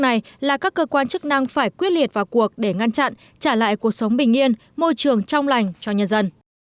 đây là một trường trong lành cho nhân dân